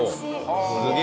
すげえ。